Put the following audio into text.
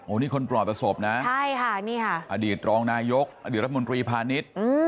โอ้นี่คนปรอบประสบนะอดีตรองนายกอดีตรัฐมนตรีพาณิชย์